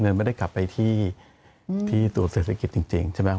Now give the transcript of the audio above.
เงินไม่ได้กลับไปที่ตัวเศรษฐกิจจริงใช่ไหมครับ